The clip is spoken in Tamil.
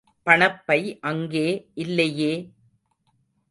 பணப்பை அங்கே இல்லையே!